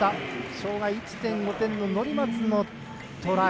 障がい１．５点の乗松のトライ。